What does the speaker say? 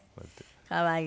可愛い。